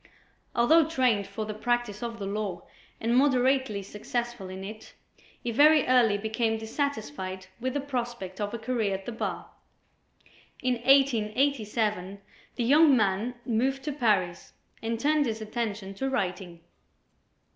Although trained for the practice of the law and moderately successful in it, he very early became dissatisfied with the prospect of a career at the bar. In 1887, the young man moved to Paris and turned his attention to writing.